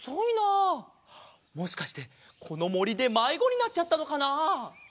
もしかしてこのもりでまいごになっちゃったのかなあ。